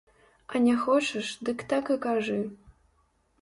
А не хочаш, дык так і кажы.